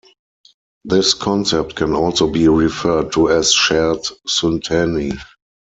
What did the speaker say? This concept can also be referred to as shared synteny.